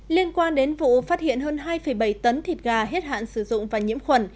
liên quan đến vụ phát hiện hơn hai bảy tấn thịt gà hết hạn sử dụng và nhiễm khuẩn